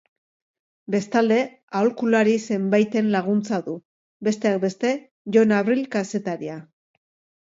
Bestalde, aholkulari zenbaiten laguntza du, besteak beste Jon Abril kazetaria.